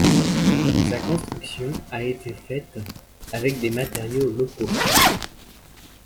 Sa construction a été faites avec des matériaux locaux.